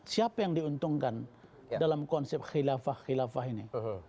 siapa yang diuntungkan dalam konsep khilafah khilafah ini